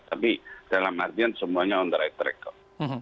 tapi dalam artian semuanya on the right track